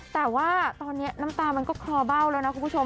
แต่ว่าตอนนี้น้ำตามันก็คลอเบ้าแล้วนะคุณผู้ชม